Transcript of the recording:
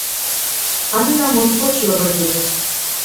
Анна моткоч лывырге.